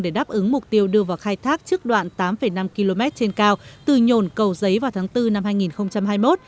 để đáp ứng mục tiêu đưa vào khai thác trước đoạn tám năm km trên cao từ nhồn cầu giấy vào tháng bốn năm hai nghìn hai mươi một